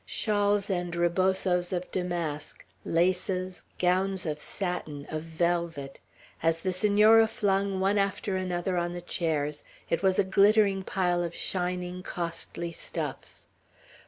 Shawls and ribosos of damask, laces, gowns of satin, of velvet. As the Senora flung one after another on the chairs, it was a glittering pile of shining, costly stuffs.